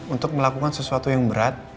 untuk melakukan sesuatu yang berat